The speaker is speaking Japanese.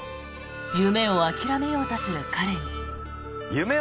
夢を諦めようとする彼に。